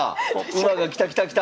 馬が来た来た来た！